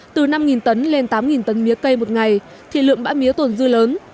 từ năm tấn lên tám tấn mía cây một ngày thì lượng bã mía tồn dư lớn